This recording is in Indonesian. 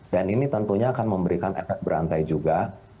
dan ini tentunya akan memberikan efek berantai juga